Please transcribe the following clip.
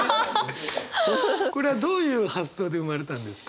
これはどういう発想で生まれたんですか？